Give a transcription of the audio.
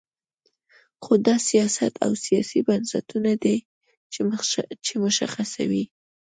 خو دا سیاست او سیاسي بنسټونه دي چې مشخصوي.